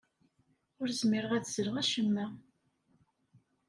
Ur zmireɣ ad sleɣ acemma.